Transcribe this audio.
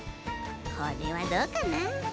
これはどうかな？